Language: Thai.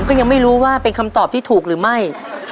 ก็ยังไม่รู้ว่าเป็นคำตอบที่ถูกหรือไม่